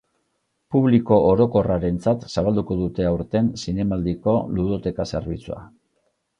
Publiko orokorrarentzat zabalduko dute aurten Zinemaldiko ludoteka zerbitzua.